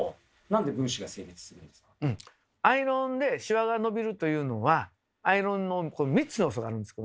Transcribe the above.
アイロンでシワが伸びるというのはアイロンの３つの要素があるんですけどね